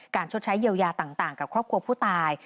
ชดใช้เยียวยาต่างกับครอบครัวผู้ตาย